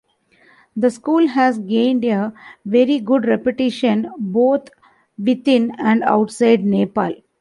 The school has gained a very good reputation both within and outside Nepal.